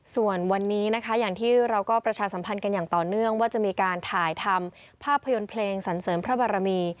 ส่วนวันนี้นะคะอย่างที่เราก็ประชาสัมพันธ์กันอย่างต่อเนื่องว่าจะมีการถ่ายทำภาพยนตร์เพลงสันเสริมพระบารมี